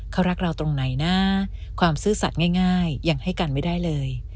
เขารักเราตรงไหนนะความซื่อสัตว์ง่ายยังให้กันไม่ได้เลย